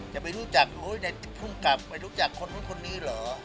จะไม่รู้จักผู้กลับได้จากคนไว้หรอ